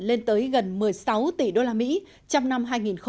lợi nhuận lên tới gần một mươi sáu tỷ usd trong năm hai nghìn một mươi tám